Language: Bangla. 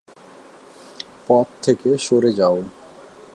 পথ থেকে সরে যাও!